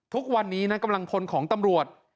ทุกวันนี้นะกำลังพลของตำรวจ